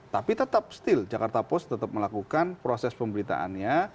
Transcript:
tapi tetap still jakarta post tetap melakukan proses pemberitaannya